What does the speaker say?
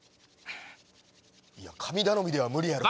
神頼みでは無理やろ。